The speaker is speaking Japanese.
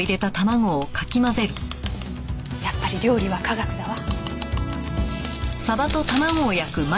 やっぱり料理は科学だわ。